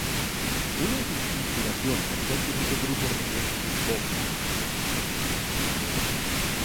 Una de sus inspiraciones al igual que muchos grupos reggae es Bob Marley.